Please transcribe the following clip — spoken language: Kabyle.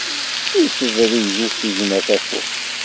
Yessedreg usigna tafukt.